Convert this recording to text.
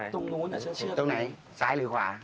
ตรงนู้นตรงไหนซ้ายหรือขวา